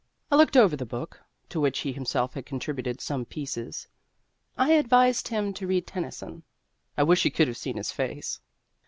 I looked over the book, to which he himself had contributed some pieces. I advised him to read Tennyson. I wish you could have seen his face.